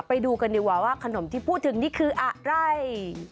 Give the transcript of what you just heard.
ไปดูกันดีกว่าว่าขนมที่พูดถึงนี่คืออะไร